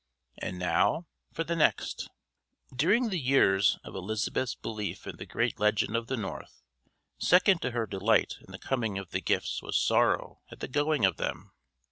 And now for the next." During the years of Elizabeth's belief in the great Legend of the North, second to her delight in the coming of the gifts was sorrow at the going of them.